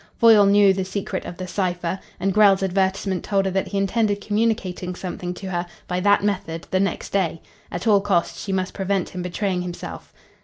Foyle knew the secret of the cipher, and Grell's advertisement told her that he intended communicating something to her by that method the next day. At all costs she must prevent him betraying himself.